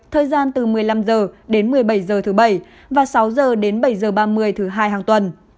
thời gian từ một mươi năm h đến một mươi bảy h thứ bảy và sáu h đến bảy h ba mươi thứ hai hàng tuần